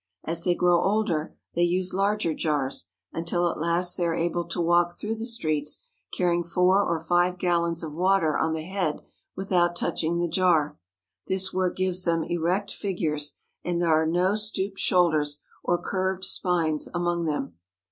As they grow older they use larger jars, until at last they are able to walk through the streets carrying four or five gallons of water on the head without touching the jar. This work gives them erect figures, and there are no stooped shoulders or curved spines among them.